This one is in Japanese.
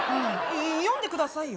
読んでくださいよ